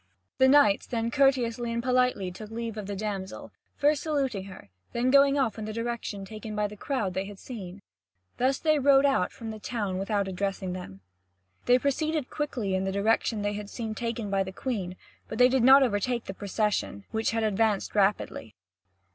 The knights then courteously and politely took leave of the damsel, first saluting her, and then going off in the direction taken by the crowd they had seen. Thus they rode out from the town without addressing them. They proceeded quickly in the direction they had seen taken by the Queen, but they did not overtake the procession, which had advanced rapidly.